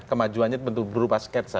kemajuan nya berupa sketsa